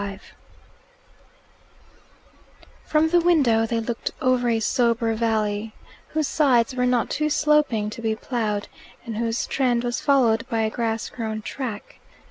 XXXV From the window they looked over a sober valley, whose sides were not too sloping to be ploughed, and whose trend was followed by a grass grown track.